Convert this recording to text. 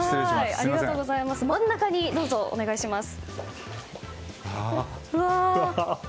真ん中にどうぞお願いします。